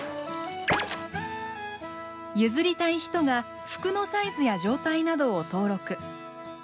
譲りたい人が服のサイズや状態などを登録。